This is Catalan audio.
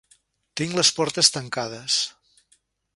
Tinc les portes tancades.